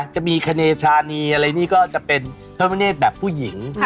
จะมีคเนชานีอะไรนี่ก็จะเป็นพระมเนธแบบผู้หญิง